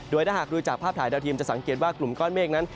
โดยถ้าหากดูจากภาพถ่ายดาวเทียมจะสังเกตว่ากลุ่มก้อนเมฆนั้น